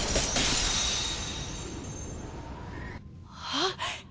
あっ。